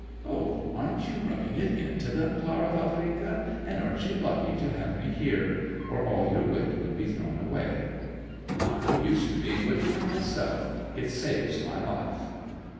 "Oh, aren't you rubbing it into them, Clara Vavrika? And aren't you lucky to have me here, or all your wit would be thrown away." "I'm used to being witty for myself. It saves my life."